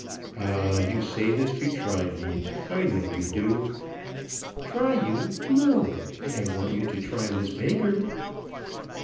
"Ah; you say this to try me. I know you do." "Try you! no; but I want you to try Miss Baker."